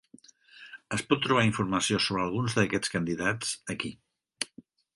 Es pot trobar informació sobre alguns d'aquests candidats aquí.